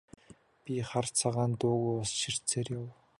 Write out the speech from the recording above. Би хар цагаан дуугүй ус ширтсээр явав.